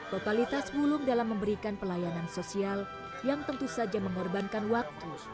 totalitas wulung dalam memberikan pelayanan sosial yang tentu saja mengorbankan waktu